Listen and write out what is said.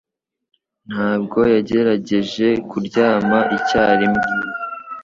Ntabwo yagerageje kuryama icyarimwe.